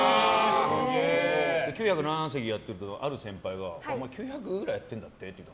９００くらいやってるとある先輩がお前、９００くらいやってるんだって？